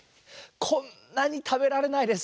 こんなにたべられないです。